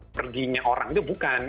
perginya orang itu bukan